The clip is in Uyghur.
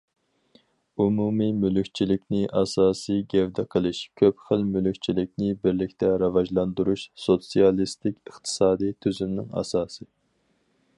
ئومۇمىي مۈلۈكچىلىكنى ئاساسىي گەۋدە قىلىش، كۆپ خىل مۈلۈكچىلىكنى بىرلىكتە راۋاجلاندۇرۇش سوتسىيالىستىك ئىقتىسادىي تۈزۈمنىڭ ئاساسى.